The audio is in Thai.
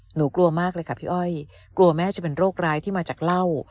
หนูกลัวมากเลยค่ะพี่อ้อยกลัวแม่จะเป็นโรคร้ายที่มาจากเหล้า